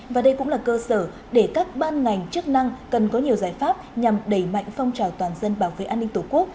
và đây cũng là cơ sở để các ban ngành chức năng cần có nhiều giải pháp nhằm đẩy mạnh phong trào toàn dân bảo vệ an ninh tổ quốc